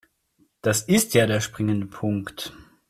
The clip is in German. Das ist ja der springende Punkt.